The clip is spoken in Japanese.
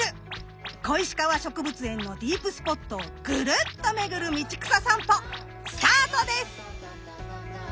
小石川植物園のディープスポットをぐるっとめぐる道草さんぽスタートです！